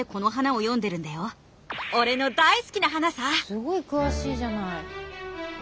すごい詳しいじゃない。